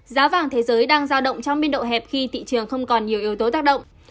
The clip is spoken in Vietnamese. giá vàng thế giới đang giao động trong biên độ hẹp khi thị trường không còn nhiều yếu tố tác động